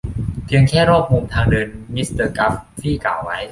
เพียงแค่รอบมุมทางเดินมิสเตอร์กัฟฟี่กล่าวไว้